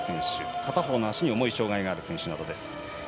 片方の足に重い障がいがある選手などです。